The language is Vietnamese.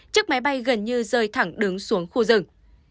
chiếc máy bay gần như rơi thẳng đứng xuống khu rừng